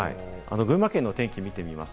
群馬県の天気を見ていきます。